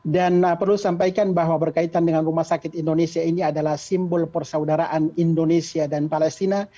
dan perlu sampaikan bahwa berkaitan dengan rumah sakit indonesia ini adalah simbol persaudaraan indonesia dan palestina